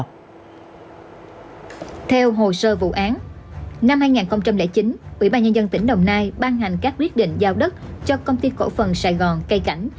theo hồ sơ vụ án năm hai nghìn chín ủy ban nhân dân tỉnh đồng nai ban hành các quyết định giao đất cho công ty cổ phần sài gòn cây cảnh